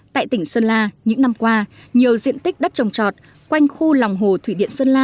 tại tỉnh sơn la những năm qua nhiều diện tích đất trồng trọt quanh khu lòng hồ thủy điện sơn la